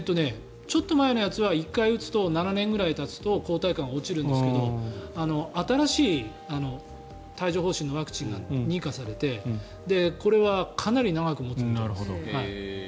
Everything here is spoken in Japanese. ちょっと前のやつは１回打つと７年ぐらいたつと抗体価が落ちるんですが新しい帯状疱疹のワクチンが認可されてこれはかなり長く持つみたいです。